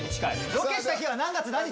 ロケした日は何月何日？